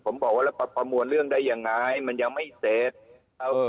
ผมบอกว่าเราประมวลเรื่องได้ยังไงมันยังไม่เสร็จ